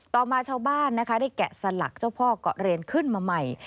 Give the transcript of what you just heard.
ต่อมาชาวบ้านนะคะได้แกะสลักเจ้าพ่อเกาะเรียนขึ้นมาใหม่